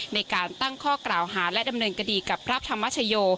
ในการตั้งข้อกล่าวหาและดำเนินคดีกับพระธรรมชโย